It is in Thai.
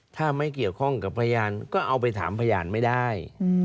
ถ้าไม่เกี่ยวข้องกับพยานก็เอาไปถามพยานไม่ได้